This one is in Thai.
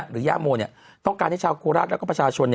ย่าโมต้องการให้ชาวโคราชแล้วก็ประชาชน